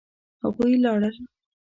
هغوی لاړل